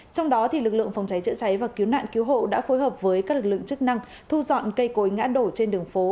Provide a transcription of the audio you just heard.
trong đó lực lượng phòng cháy chữa cháy và cứu nạn cứu hộ đã phối hợp với các lực lượng chức năng thu dọn cây cối ngã đổ trên đường phố